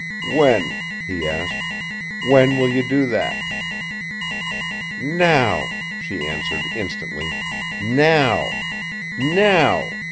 "When?" he asked. "When will you do that?" "Now," she answered instantly. "Now! Now!